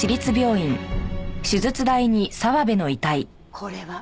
これは。